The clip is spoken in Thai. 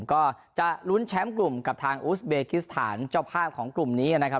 ก็จะลุ้นแชมป์กลุ่มกับทางอูสเบกิสถานเจ้าภาพของกลุ่มนี้นะครับ